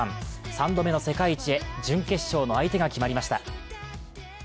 ３度目の世界一へ準決勝の相手が決まりました。